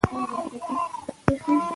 که فکر وي نو غلطي نه کیږي.